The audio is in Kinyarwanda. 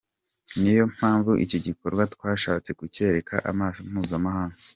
Niyo mpamvu iki gikorwa twashatse kucyereka amaso mpuzamahanga.